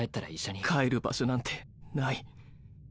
帰る場所なんてない。